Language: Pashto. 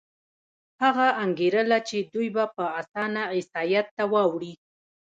هغه انګېرله چې دوی به په اسانه عیسایت ته واوړي.